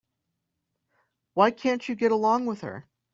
Why can't you get along with her?